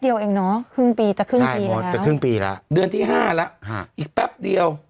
เดียวเองเนอะครึ่งปีจะครึ่งปีแล้วจะครึ่งปีแล้วเดือนที่ห้าแล้วอีกแป๊บเดียว